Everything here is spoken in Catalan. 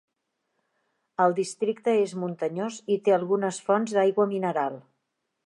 El districte és muntanyós i té algunes fonts d'aigua mineral.